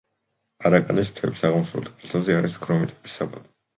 არაკანის მთების აღმოსავლეთ კალთაზე არის ქრომიტების საბადო.